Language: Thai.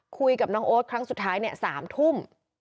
คุยกับน้องโอ๊ตครั้งสุดท้าย๓ทุ่ม